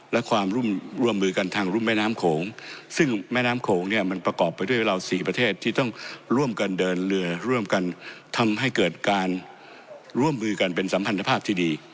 และความร่วมมือร่วมมือกันทางรุ่มแม่น้ำโขงซึ่งแม่น้ำโขงเนี่ยมันประกอบไปด้วยเราสี่ประเทศที่ต้องร่วมกันเดินเรือร่วมกันทำให้เกิดการร่วมมือกันเป็นสัมพันธภาพที่ดี